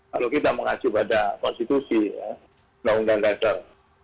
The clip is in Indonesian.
kalau kita mengaji pada konstitusi undang undang dasar